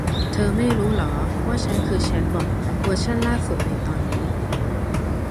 เธอไม่รู้หรอว่าฉันคือแชทบอท เวอร์ชั่นล่าสุดในตอนนี้